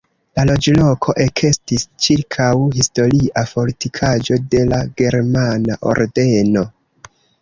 La loĝloko ekestis ĉirkaŭ historia fortikaĵo de la Germana Ordeno.